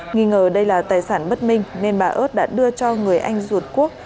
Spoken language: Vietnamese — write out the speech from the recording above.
nghĩ ngờ đây là tài sản bất minh nên bà ơt đã đưa cho người anh ruột quốc